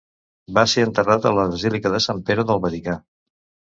Va ser enterrat a la basílica de Sant Pere del Vaticà.